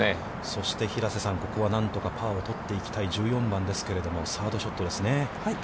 そして平瀬さん、ここは何とかパーを取っていきたい１４番ですけれども、サードショットですね。